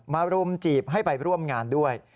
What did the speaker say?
รุมจีบให้ไปร่วมงานด้วย